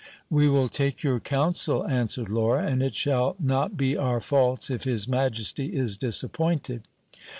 We will take your counsel, answered Laura, and it shall not be our faults if his majesty is disappointed.